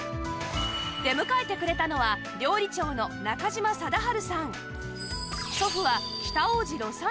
出迎えてくれたのは料理長の中嶋貞治さん